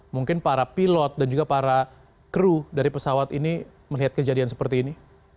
mungkin para pilot dan juga para kru dari pesawat ini melihat kejadian seperti ini